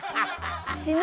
死ぬ